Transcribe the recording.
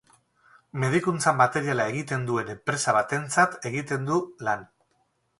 Medikuntza materiala egiten duen enpresa batentzat egiten du lan.